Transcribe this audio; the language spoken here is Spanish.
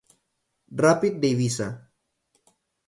Rapid de Ibiza.